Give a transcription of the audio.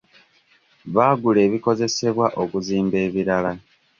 Baagula ebikozesebwa okuzimba ebirala.